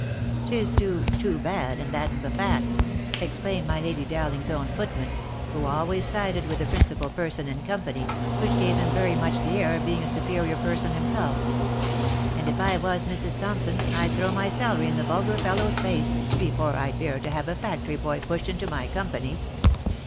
" Tis two, too bad, and that's the fact I" exclaimed my Lady Dowling's own footman, who always sided with the principal person in company, which gave him very much the air of being a superior person himself; " and if I was Mrs. Thompson, I'd throw my salary in the vulgar fellow's face, before I'd bear to have a factory boy pushed into my company."